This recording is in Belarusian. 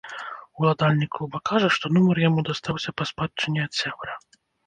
Уладальнік клуба кажа, што нумар яму дастаўся па спадчыне ад сябра.